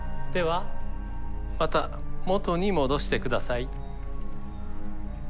ではまた元に戻してください。